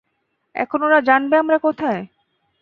এখন ওরা জানবে আমরা কোথায়।